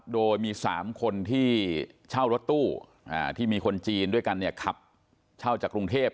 โดยมี๓คนที่เช่ารถตู้ที่มีคนจีนด้วยกันเนี่ยขับเช่าจากกรุงเทพ